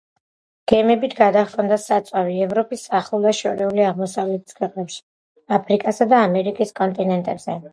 გემებით გადაჰქონდა საწვავი ევროპის, ახლო და შორეული აღმოსავლეთის ქვეყნებში, აფრიკასა და ამერიკის კონტინენტებზე.